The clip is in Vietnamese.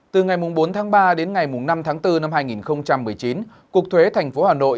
từ ngày bốn ba đến ngày năm bốn hai nghìn một mươi chín cục thuế tp hà nội